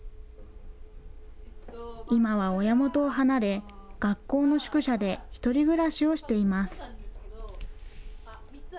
今は親元を離れ、学校の宿舎で１人暮らしをしています。